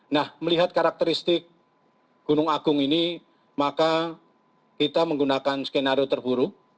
nah melihat karakteristik gunung agung ini maka kita menggunakan skenario terburuk